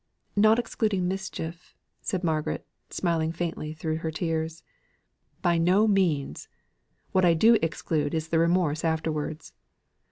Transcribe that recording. '" "Not excluding mischief," said Margaret, smiling faintly through her tears. "By no means. What I do exclude is the remorse afterwards.